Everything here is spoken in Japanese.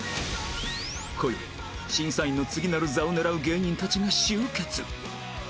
今宵審査員の次なる座を狙う芸人たちが集結